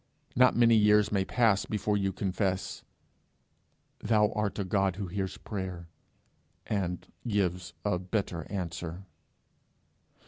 Not many years may pass before you confess, 'Thou art a God who hears prayer, and gives a better answer.'